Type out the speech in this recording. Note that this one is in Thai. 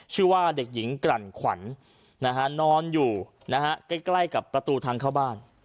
ชื่อว่าเด็กหญิงกลั่นขวัญนอนอยู่นะฮะใกล้กับประตูทางเข้าบ้าน